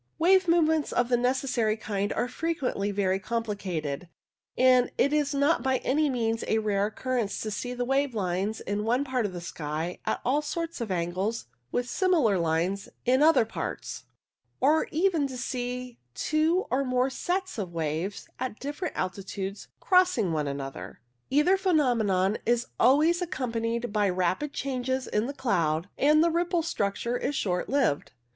Wave movements of the necessary kind are frequently very complicated, and it is not by any means a rare occurrence to see the wave lines in one part of the sky at all sorts of angles with similar lines in other parts, or even to see two or more sets of waves at different altitudes crossing one another. Either phenomenon is always accom panied by rapid changes in the cloud, and the rippled structure is short lived.